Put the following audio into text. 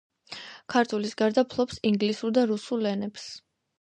ქართულის გარდა ფლობს ინგლისურ და რუსულ ენებს.